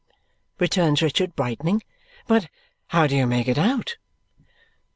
returns Richard, brightening. "But how do you make it out?"